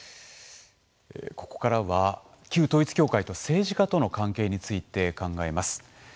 ここからは、旧統一教会と政治家との関係について考えます。